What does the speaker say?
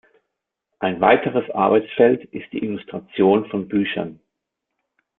Ein weiteres Arbeitsfeld ist die Illustration von Büchern.